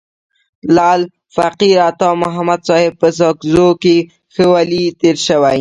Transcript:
لعل فقیر عطا محمد صاحب په ساکزو کي ښه ولي تیر سوی.